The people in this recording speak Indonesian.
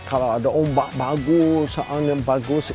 kalau ada ombak bagus angin bagus